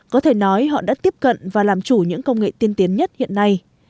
có thể nói họ đã tiếp cận và làm chủ những công nghệ tiên tiến nhất hiện nay